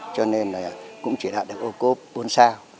cho nên là cũng chỉ đạo được ô cốp bốn sao